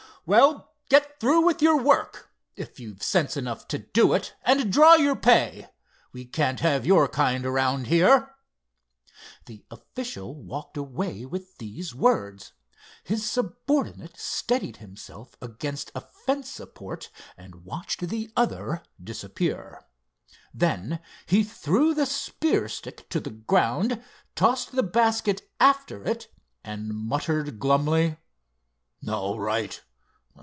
"Well, get through with your work, if you've sense enough to do it, and draw your pay. We can't have your kind around here." The official walked away with these words. His subordinate steadied himself against a fence support, and watched the other disappear. Then he threw the spear stick to the ground, tossed the basket after it and muttered glumly: "All right.